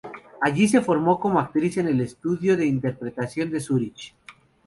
Allí se formó como actriz en el Estudio de Interpretación de Zurich.